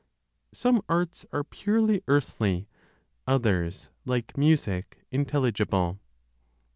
SOME ARTS ARE PURELY EARTHLY; OTHERS, LIKE MUSIC, INTELLIGIBLE.